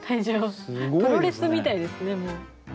プロレスみたいですねもう。